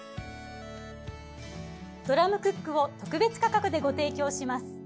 ドラムクックを特別価格でご提供します。